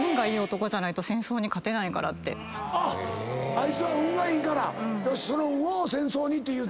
あいつは運がいいからその運を戦争にって言うて？